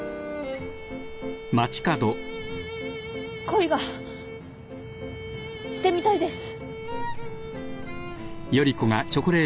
恋がしてみたいです。